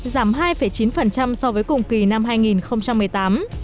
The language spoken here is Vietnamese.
giảm hai chín so với cùng kỳ năm hai nghìn một mươi tám